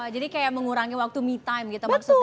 jadi kayak mengurangi waktu me time gitu maksudnya